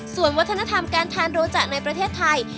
ส่วนวัฒนธรรมการทานโรจะในประเทศไทย